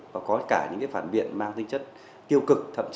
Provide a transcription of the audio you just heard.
và có cả những phản biệt mang tính chất tiêu cực